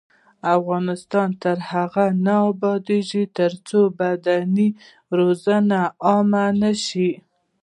افغانستان تر هغو نه ابادیږي، ترڅو بدني روزنه عامه نشي.